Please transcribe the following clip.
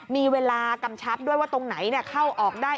มีเวลากำชับด้วยว่าตรงไหนเข้าออกได้